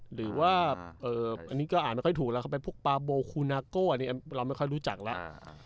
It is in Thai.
หรือว่าอันนี้ก็อ่านไม่ค่อยถูกแล้วเขาเป็นพวกปาโบคูนาโก้อันนี้เราไม่ค่อยรู้จักแล้ว